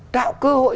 tạo cơ hội